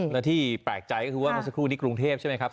และที่แปลกใจก็คือว่าเมื่อสักครู่นี้กรุงเทพใช่ไหมครับ